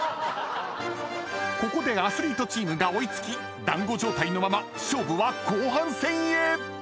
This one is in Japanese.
［ここでアスリートチームが追い付きだんご状態のまま勝負は後半戦へ］